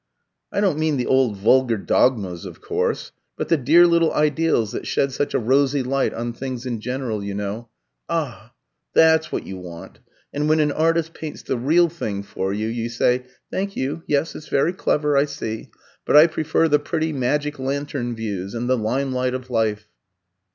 "I don't mean the old vulgar dogmas, of course, but the dear little ideals that shed such a rosy light on things in general, you know. Ah! that's what you want; and when an artist paints the real thing for you, you say, 'Thank you; yes, it's very clever, I see; but I prefer the pretty magic lantern views, and the limelight of life.'"